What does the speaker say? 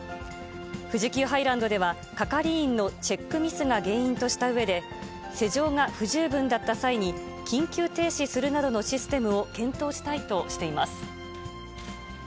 富士急ハイランドでは、係員のチェックミスが原因としたうえで、施錠が不十分だった際に、緊急停止するなどのシステムを検討したいとしています。